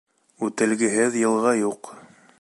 Үтелгеһеҙ йылға юҡ.